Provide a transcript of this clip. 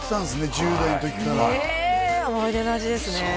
１０代の時からねえ思い出の味ですね